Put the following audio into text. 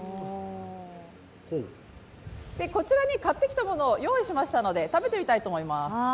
こちらに買ってきたものを用意しましたので、食べてみたいと思います。